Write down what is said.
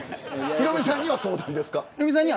ヒロミさんには相談ですか。